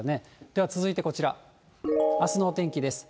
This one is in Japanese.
では続いてこちら、あすのお天気です。